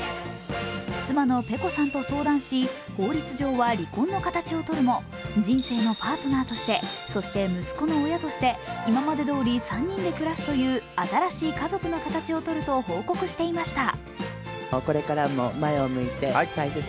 妻のｐｅｃｏさんと相談し、法律上は離婚の形をとるも、人生のパートナーとしてそして息子の親として今までどおり３人で暮らすという新しい家族の形をとると報告していました。